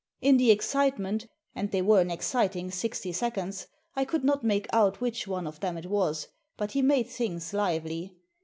In the excitement — and they were an exciting sixty seconds — I could not make out which one of them it was; but he made things lively.